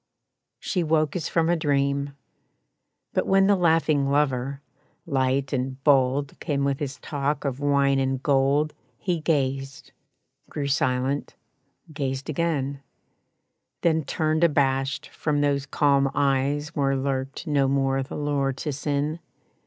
She woke as from a dream. But when The laughing lover, light and bold Came with his talk of wine and gold He gazed, grew silent, gazed again; Then turned abashed from those calm eyes Where lurked no more the lure to sin.